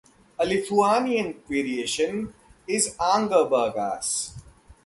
A Lithuanian variation is "Angerburgas".